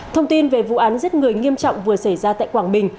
thông tin về vụ án giết người nghiêm trọng vừa xảy ra tại quảng bình